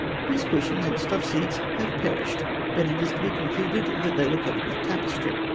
These cushions and stuffed seats have perished, but it is to be concluded that they were covered with tapestry.